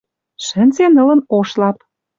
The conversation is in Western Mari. Шӹнзен ылын Ошлап.